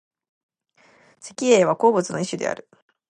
石英は鉱物の一種である。